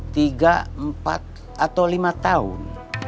tiga empat atau lima tahun